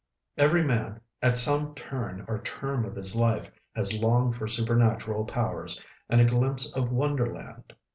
Every man, at some turn or term of his life, has longed for supernatural powers and a glimpse of Wonderland.